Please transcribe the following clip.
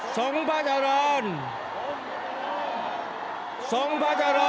สวัสดีครับ